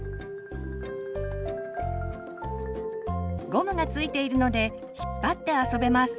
ゴムが付いているので引っ張って遊べます。